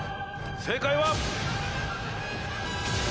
正解は。